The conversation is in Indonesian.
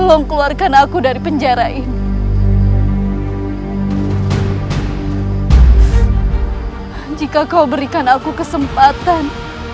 ter hypotheses rin terentut bruja dan radi islam yang sejarahku hakkp laken secara tidak membitakan